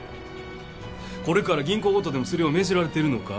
これから銀行強盗でもするよう命じられているのか。